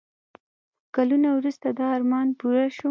کلونه وروسته دا ارمان پوره شو.